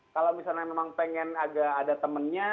kalau misalnya memang pengen agak ada temennya